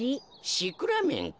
シクラメンか。